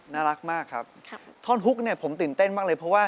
น่ารักมากครับถ้อนฮุกผมตื่นเต้นมากเลย